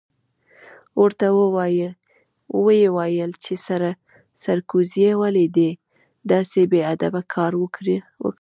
ورته ویې ویل چې سرکوزیه ولې دې داسې بې ادبه کار وکړ؟